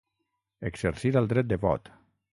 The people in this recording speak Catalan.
Exercir el dret de vot.